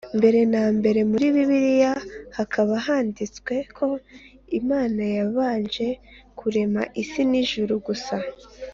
Mbere nambere muri bibiliya hakaba handitswe ko Imana yabanje kurema isi n’ijuru gusa.